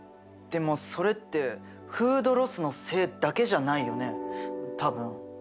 でもそれってフードロスのせいだけじゃないよね多分。